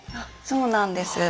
そうなんです。